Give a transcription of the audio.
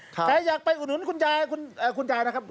ใครอยากไปอุดหนุนคุณยายคุณยายนะครับ